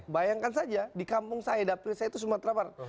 bayangkan saja di kampung saya dapil saya itu sumatera barat